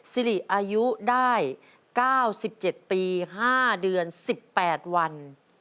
สิริอายุได้๙๗ปี๕เดือน๑๘วัน